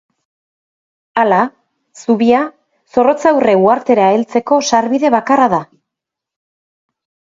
Hala, zubia Zorrotzaurre uhartera heltzeko sarbide bakarra da.